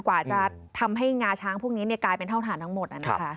กว่าจะทำให้งาช้างพวกนี้กลายเป็นเท่าฐานทั้งหมด